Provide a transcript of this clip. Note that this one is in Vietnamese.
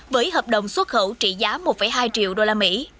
với hợp đồng xuất khẩu trị giá một hai triệu usd